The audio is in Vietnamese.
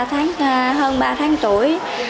hơn ba tháng tuổi